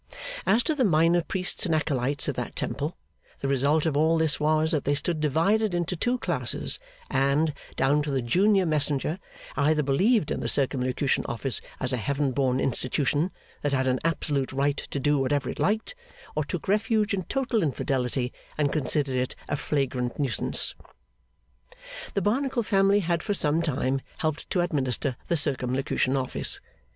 As to the minor priests and acolytes of that temple, the result of all this was that they stood divided into two classes, and, down to the junior messenger, either believed in the Circumlocution Office as a heaven born institution that had an absolute right to do whatever it liked; or took refuge in total infidelity, and considered it a flagrant nuisance. The Barnacle family had for some time helped to administer the Circumlocution Office.